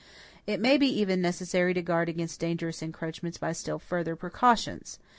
It may even be necessary to guard against dangerous encroachments by still further precautions.